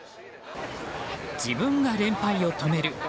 自分が連敗を止める。